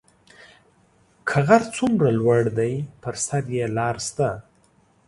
که غر څومره لوړ دی پر سر یې لار شته